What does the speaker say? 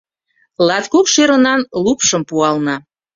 Латкок шӧрынан лупшым пуална.